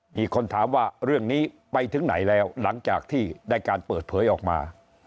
มีคนถามว่าเรื่องนี้ไปถึงไหนแล้วหลังจากที่ได้การเปิดเผยออกมา